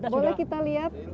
boleh kita lihat